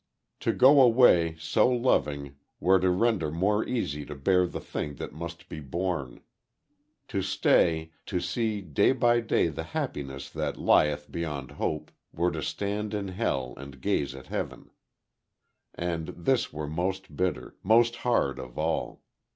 To go away, so loving, were to render more easy to bear the thing that must be borne. To stay to see day by day the happiness that lieth beyond hope, were to stand in hell and gaze at heaven. And this were most bitter, most hard, of all.